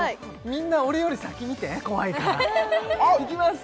みんな俺より先見て怖いからいきます！